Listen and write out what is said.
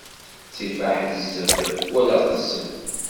Ttif aḥezzeb wala aqezzeb.